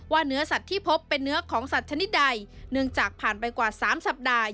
เนื้อสัตว์ที่พบเป็นเนื้อของสัตว์ชนิดใดเนื่องจากผ่านไปกว่าสามสัปดาห์